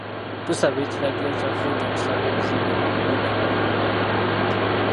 Tusaba ekiragiro kya kkooti ekisaba ebizimbe bino okudda mu mikono gya gavumenti.